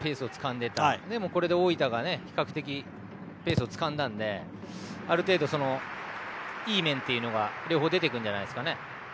でも、大分も比較的ペースをつかんだのである程度、いい面というのが両方出てくるんじゃないですか。